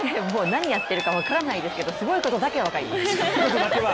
もう何やってるか分からないですけどすごいことだけは分かります。